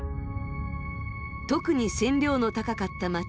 特に線量の高かった町